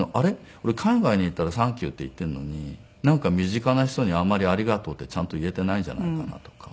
俺海外に行ったら「サンキュー」って言ってるのになんか身近な人にあんまり「ありがとう」ってちゃんと言えてないんじゃないかなとか。